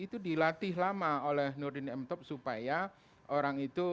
itu dilatih lama oleh nurdin m top supaya orang itu